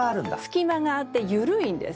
隙間があってゆるいんです。